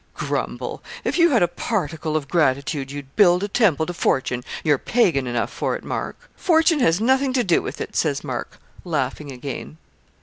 'Grumble! If you had a particle of gratitude, you'd build a temple to Fortune you're pagan enough for it, Mark.' 'Fortune has nothing to do with it,' says Mark, laughing again.